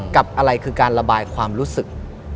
กับอะไรคือการระบายความรู้สึก